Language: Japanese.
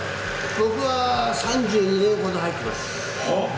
僕は３２年ほど入ってます。